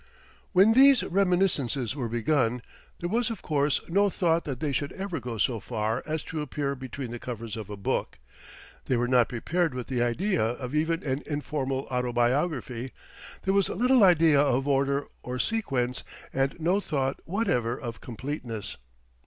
When these Reminiscences were begun, there was of course no thought that they should ever go so far as to appear between the covers of a book. They were not prepared with the idea of even an informal autobiography, there was little idea of order or sequence, and no thought whatever of completeness.